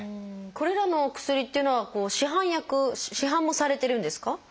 これらのお薬っていうのは市販薬市販もされてるんですか？